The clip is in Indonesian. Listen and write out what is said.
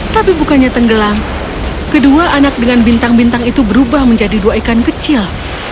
tapi bukannya tenggelam kedua anak dengan bintang bintang itu berubah menjadi dua ikan kecil